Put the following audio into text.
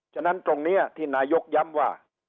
ฉะนั้นตรงนี้ที่นายกย้ำว่า